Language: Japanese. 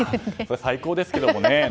最高ですけどもね。